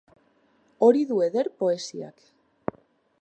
Hori du eder poesiak.